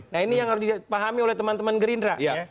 nah ini yang harus dipahami oleh teman teman gerindra